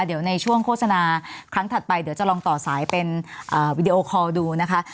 เดี๋ยวในช่วงโฆษณาครั้งถัดไปเดี๋ยวจะลองต่อสายเป็นวีดีโอคอลดูนะคะ